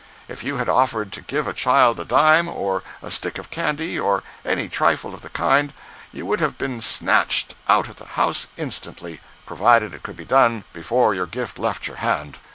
If you had offered to give a child a dime, or a stick of candy, or any trifle of the kind, you would have been snatched out of the house instantly, provided it could be done before your gift left your hand.